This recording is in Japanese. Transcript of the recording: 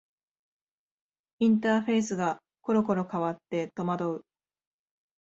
インターフェースがころころ変わって戸惑う